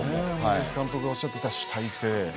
森保監督がおっしゃっていた主体性。